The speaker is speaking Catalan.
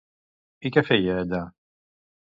I què feia allà?